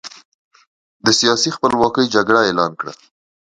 د سیاسي خپلواکۍ جګړه اعلان کړه.